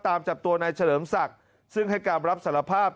ตามจับตัวนายเฉลิมศักดิ์ซึ่งให้การรับสารภาพ